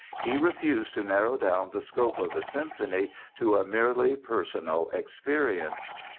He refused to narrow down the scope of the symphony to a merely personal experience.